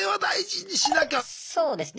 そうですね。